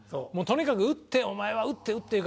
とにかく打って「お前は打って打って」